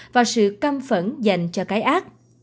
và sự căm phẫn dành cho cái ác